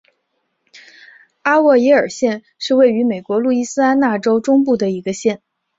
阿沃耶尔县是位于美国路易斯安那州中部的一个县。